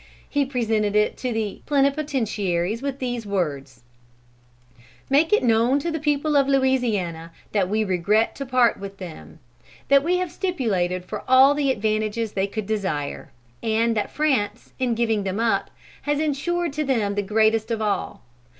He presented it to the plenipotentiaries with these words: "Make it known to the people of Louisiana, that we regret to part with them; that we have stipulated for all the advantages they could desire; and that France, in giving them up, has insured to them the greatest of all.